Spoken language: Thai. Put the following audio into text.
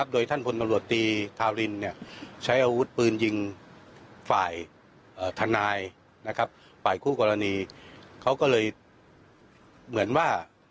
โดยท่านพลตำรวจตีทารินใช้อาวุธปืนยิงฝ่ายทนายฝ่ายคู่กรณีเขาก็เลยเหมือนว่า